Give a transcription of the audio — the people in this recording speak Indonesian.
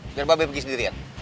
biar babi pergi sendirian